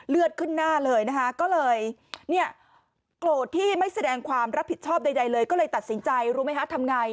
เลือดขึ้นหน้าเลยนะคะก็เลยเนี่ยโกรธที่ไม่แสดงความรับผิดชอบใดเลยก็เลยตัดสินใจรู้ไหมคะทำไง